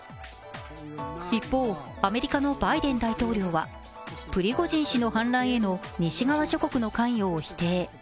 一方、アメリカのバイデン大統領はプリゴジン氏の反乱への西側諸国の関与を否定。